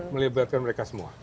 melibatkan mereka semua